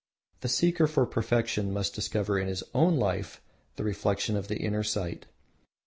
The seeker for perfection must discover in his own life the reflection of the inner light.